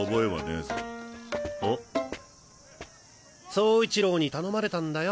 走一郎に頼まれたんだよ。